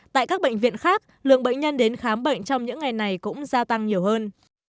tại các bệnh viện khác lượng bệnh nhân đến khám bệnh trong những ngày này cũng gia tăng nhiều hơn